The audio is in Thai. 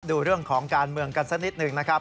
ดูเรื่องของการเมืองกันสักนิดหนึ่งนะครับ